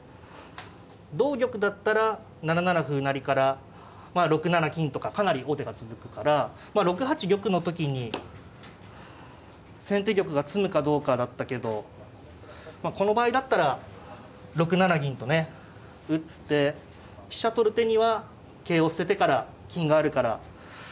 同玉だったら７七歩成から６七金とかかなり王手が続くから６八玉の時に先手玉が詰むかどうかだったけどこの場合だったら６七銀とね打って飛車取る手には桂を捨ててから金があるから。